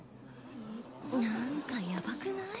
なんかやばくない？